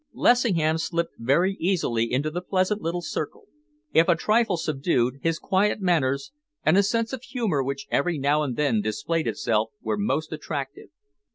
Lessingham slipped very easily into the pleasant little circle. If a trifle subdued, his quiet manners, and a sense of humour which every now and then displayed itself, were most attractive.